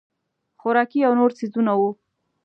خوراکي او نور څیزونه وو.